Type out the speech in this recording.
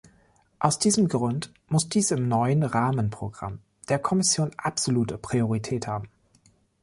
Aus diesem Grund muss dies im neuen Rahmenprogramm der Kommission absolute Priorität haben.